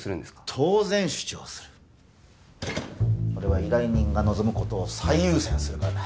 当然主張する俺は依頼人が望むことを最優先するからな